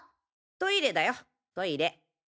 トイレだよトイレ。